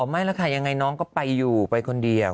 ไม่แล้วค่ะยังไงน้องก็ไปอยู่ไปคนเดียว